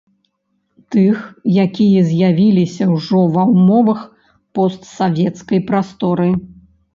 Тых, якія з'явіліся ўжо ва ўмовах постсавецкай прасторы.